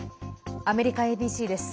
アメリカＡＢＣです。